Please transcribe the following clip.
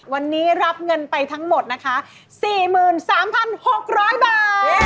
วันนี้รับเงินไปทั้งหมดนะคะ๔๓๖๐๐บาท